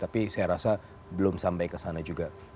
tapi saya rasa belum sampai ke sana juga